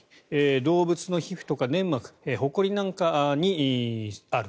動物の皮膚とか粘膜ほこりなんかにある。